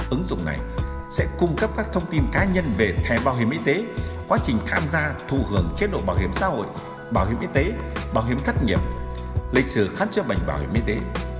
ứng dụng này sẽ cung cấp các thông tin cá nhân về thẻ bảo hiểm y tế quá trình tham gia thù hưởng chế độ bảo hiểm xã hội bảo hiểm y tế bảo hiểm thất nghiệp lịch sử khám chữa bệnh bảo hiểm y tế